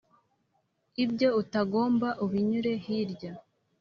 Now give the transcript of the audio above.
ibyo utagomba ubinyure hirya